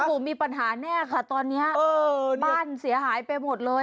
โอ้โหมีปัญหาแน่ค่ะตอนนี้บ้านเสียหายไปหมดเลย